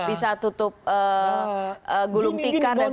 bisa tutup gulung tikar dan segala macam